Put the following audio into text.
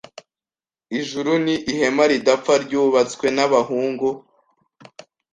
Ijuru ni ihema ridapfa ryubatswe nabahungu